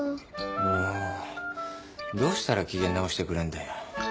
もうどうしたら機嫌直してくれんだよ。